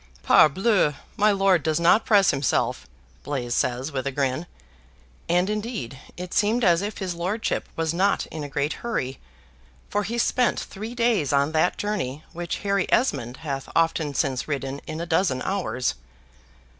"Parbleu! my lord does not press himself," Blaise says, with a grin; and, indeed, it seemed as if his lordship was not in a great hurry, for he spent three days on that journey which Harry Esmond hath often since ridden in a dozen hours.